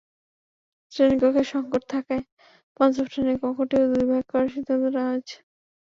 শ্রেণিকক্ষের সংকট থাকায় পঞ্চম শ্রেণির কক্ষটিও দুভাগ করার সিদ্ধান্ত নেওয়া হয়েছে।